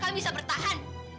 kami bisa bertahan